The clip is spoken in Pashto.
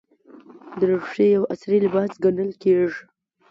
دریشي یو عصري لباس ګڼل کېږي.